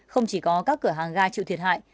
không chỉ có các cửa hàng ga chịu thiệt hại